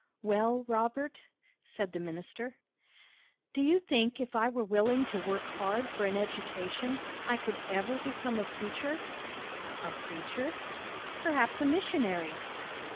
"Well, Robert?" said the minister. "Do you think if I were willing to work hard for an education, I could ever become a preacher?" "A preacher?" "Perhaps a missionary."